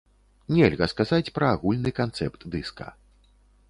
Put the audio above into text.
Нельга сказаць пра агульны канцэпт дыска.